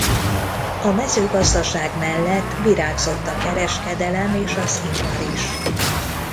A mezőgazdaság mellett virágzott a kereskedelem és az ipar is.